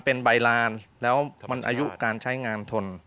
เป็นใบลานแล้วมันอายุการใช้งานทน